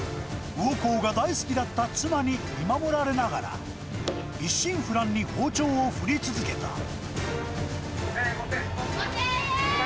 魚幸が大好きだった妻に見守られながら、一心不乱に包丁を振り続けた。